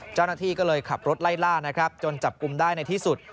เจ้าหน้าที่ก็เลยขับรถไล่ล่านะครับจนจับกลุ่มได้ในที่สุด